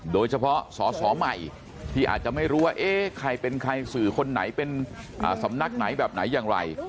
โดยเฉพาะสอสอใหม่ที่อาจจะไม่รู้ว่าเอ๊ะใครเป็นใครสื่อคนไหนเป็นสำนักไหนแบบไหนอย่างไร